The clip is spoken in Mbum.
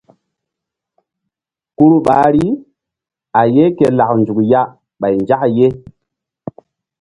Kuru ɓahri a ye ke lak nzuk ya ɓay nzak ye.